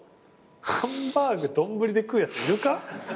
ハンバーグ丼で食うやついるか？